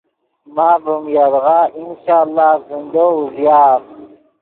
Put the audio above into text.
ماف ڤیم یدغا انشاء اللہ زندو اوزیآف